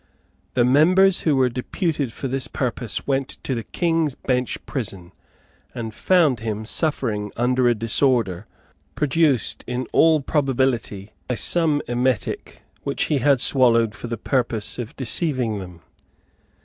The members who were deputed for this purpose went to the King's Bench prison, and found him suffering under a disorder, produced, in all probability, by some emetic which he had swallowed for the purpose of deceiving them.